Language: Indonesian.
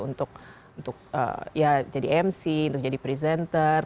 untuk ya jadi mc untuk jadi presenter